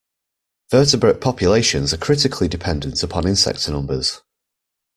Vertebrate populations are critically dependent upon insect numbers.